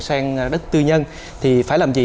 sang đất tư nhân thì phải làm gì